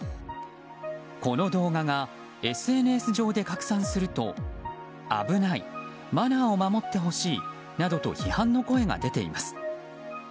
この動画がＳＮＳ上で拡散すると危ないマナーを守ってほしいなどと批判の声が出ています。